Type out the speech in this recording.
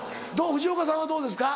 藤岡さんはどうですか？